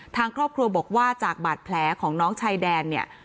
ทางครอบครัวบอกว่าจากบาดแผลของน้องชายแดนเนี่ย